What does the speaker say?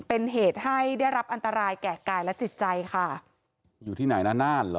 เป็นเหตุให้ได้รับอันตรายแก่กายและจิตใจค่ะอยู่ที่ไหนนานเหรอ